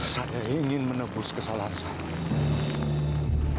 saya ingin menebus kesalahan saya